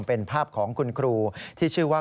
เป็นภาพของคุณครูที่ชื่อว่า